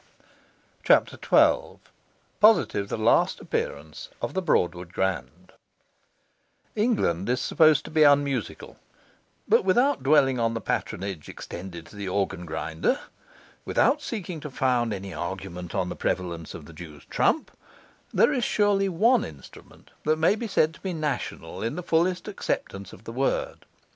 CHAPTER XII. Positively the Last Appearance of the Broadwood Grand England is supposed to be unmusical; but without dwelling on the patronage extended to the organ grinder, without seeking to found any argument on the prevalence of the jew's trump, there is surely one instrument that may be said to be national in the fullest acceptance of the word.